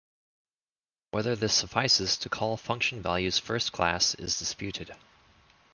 Whether this suffices to call function values first-class is disputed.